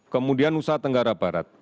kemudian nusa tenggara barat